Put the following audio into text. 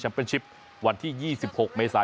ก็อย่าลืมให้กำลังใจเมย์ในรายการต่อไปนะคะ